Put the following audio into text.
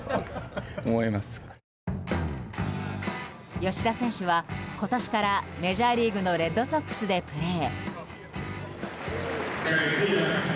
吉田選手は今年からメジャーリーグのレッドソックスでプレー。